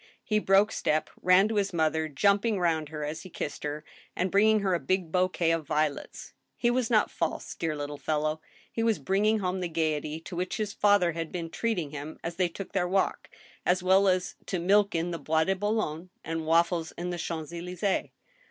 He broke step, ran to his mother, jumping round her as he kissed her, and bringing her a big bouquet of violets. He was not false, dear little fellow ! He was bringing home the gayety to which his father had been treating him as they took their walk, as well as to milk in the Bois de Boulogne, and waffles in the Champs Elys6es.